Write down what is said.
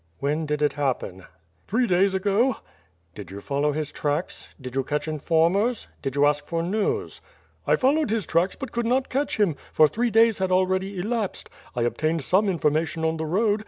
"When did it happen?" "Three days ago?" "Did you follow his tracks. Did you catch informers? Did you ask for news? "I followed his tracks but could not catch him, for three days had already elapsed. I obtained some information on the road.